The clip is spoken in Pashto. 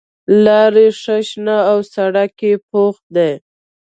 لاره ښه شنه او سړک یې پوخ دی.